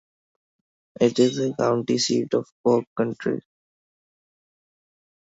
It is the county seat of Polk County.